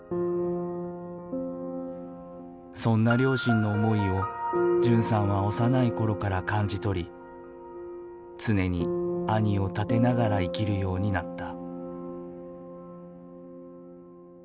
そんな両親の思いを純さんは幼い頃から感じ取り常に兄を立てながら生きるようになった。